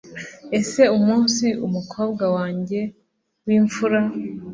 Ese umunsi umukobwa wanjye wimfura